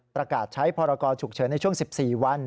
ประกาศใช้พรกรฉุกเฉินในช่วง๑๔วัน